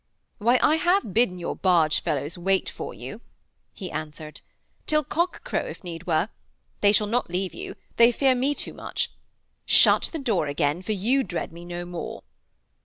'Why, I have bidden your barge fellows wait for you,' he answered. 'Till cock crow if need were. They shall not leave you. They fear me too much. Shut the door again, for you dread me no more.'